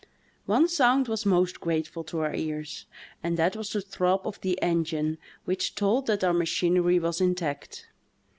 One sound was most grateful to our ears, and that was the throb of the engine, which told that our machinery was intact.